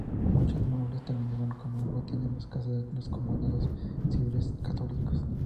Muchos muebles terminaron como botín en las casas de los comandos civiles católicos.